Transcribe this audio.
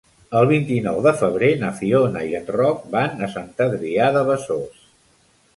El vint-i-nou de febrer na Fiona i en Roc van a Sant Adrià de Besòs.